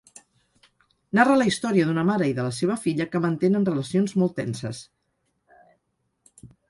Narra la història d'una mare i de la seva filla que mantenen relacions molt tenses.